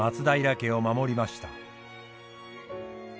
家を守りました。